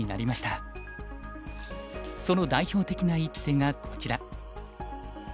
その代表的な一手がこちら。